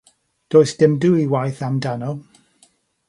Does dim dwywaith amdano.